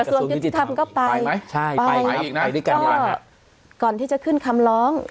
กระทรวงยุติธรรมก็ไปใช่ไปไปอีกน่ะก็ก่อนที่จะขึ้นคำล้อง